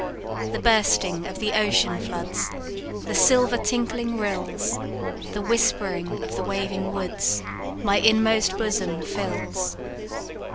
The bursting of the ocean floods, The silver tinkling rills, The whispering of the waving woods, My inmost bosom fills.